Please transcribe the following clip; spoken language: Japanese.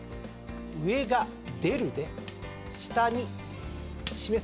上が「出る」で下に「示す」